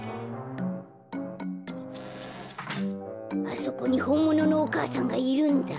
あそこにほんもののお母さんがいるんだ。